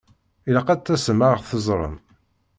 Ilaq ad tasem ad ɣ-teẓṛem!